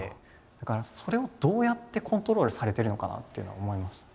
だからそれをどうやってコントロールされてるのかなっていうのは思いました。